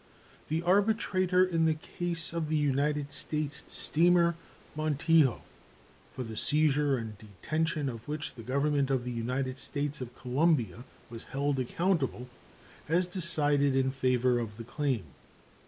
The arbitrator in the case of the United States steamer Montijo, for the seizure and detention of which the Government of the United States of Colombia was held accountable, has decided in favor of the claim.